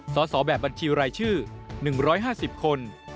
สอบแบบบัญชีรายชื่อ๑๕๐คน